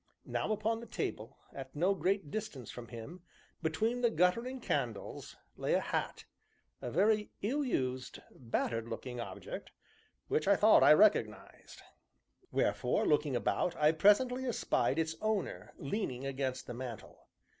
Now, upon the table, at no great distance from him, between the guttering candles, lay a hat a very ill used, battered looking object which I thought I recognized; wherefore, looking about, I presently espied its owner leaning against the mantel.